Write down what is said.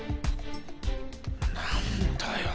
何だよ。